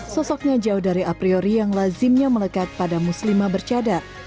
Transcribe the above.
sosoknya jauh dari a priori yang lazimnya melekat pada muslimah bercadar